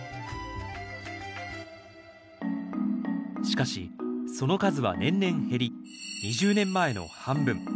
しかしその数は年々減り２０年前の半分。